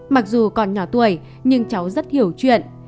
mặc dù còn nhỏ tuổi nhưng cháu rất hiểu chuyện